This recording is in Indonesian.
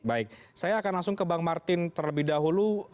baik saya akan langsung ke bang martin terlebih dahulu